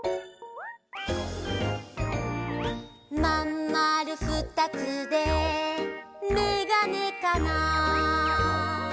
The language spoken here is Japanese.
「まんまるふたつでメガネかな」